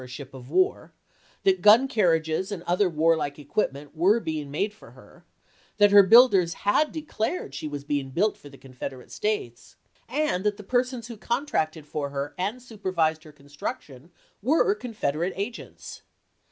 x. a ship of war; that gun carriages and other war like equipment were being made for her ; that her builders had declared she was being built for the Confederate States, and that the persons who con tracted for her and supervised her construction were Confederate agents.